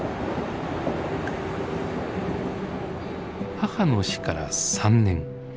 母の死から３年。